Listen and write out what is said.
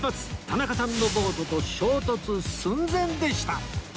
田中さんのボートと衝突寸前でした！